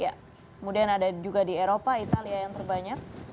kemudian ada juga di eropa italia yang terbanyak